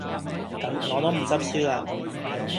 咁我都唔執輸喇